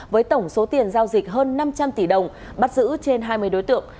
với tổng số tiền giao dịch hơn năm trăm linh tỷ đồng bắt giữ trên hai mươi đối tượng